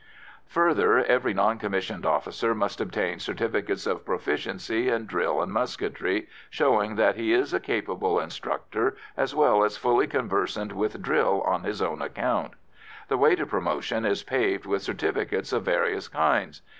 Further, every non commissioned officer must obtain certificates of proficiency in drill and musketry, showing that he is a capable instructor as well as fully conversant with drill on his own account. The way to promotion is paved with certificates of various kinds.